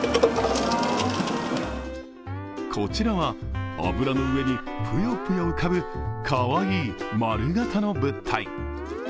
こちらは、油の上にぷよぷよ浮かぶかわいいまるがたの物体。